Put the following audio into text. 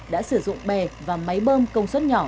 đã sử dụng bè và máy bơm công suất nhỏ